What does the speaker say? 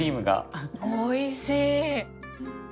おいしい。